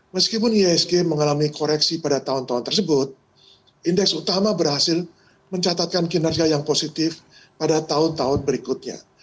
meskipun ihsg mengalami koreksi pada tahun tahun tersebut indeks utama berhasil mencatatkan kinerja yang positif pada tahun tahun berikutnya